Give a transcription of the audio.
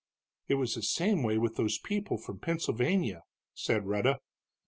"It was the same way with those people from Pennsylvania," said Rhetta.